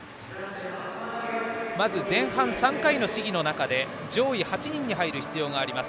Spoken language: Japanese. まず前半、３回の試技の中で上位８人に入る必要があります。